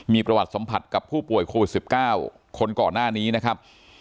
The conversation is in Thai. มีประวัติสัมผัสกับผู้ป่วยโควิด๑๙คนก่อนหน้านี้นะครับ